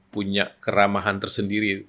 punya keramahan tersendiri